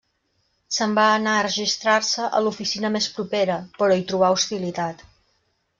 Se'n va anar a registrar-se a l'oficina més propera, però hi trobà hostilitat.